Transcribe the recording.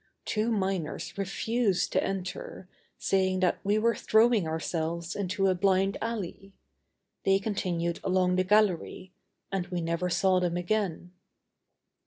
Two miners refused to enter, saying that we were throwing ourselves into a blind alley. They continued along the gallery and we never saw them again.